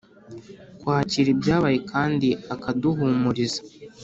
kwakira ibyabaye kandi akaduhumuriza